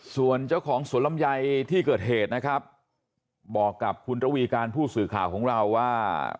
ส่วนเจ้าของสวนลำไยที่เกิดเหตุนะครับบอกกับคุณระวีการผู้สื่อข่าวของเราว่า